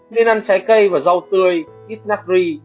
nên ăn trái cây và rau tươi ít nắc ri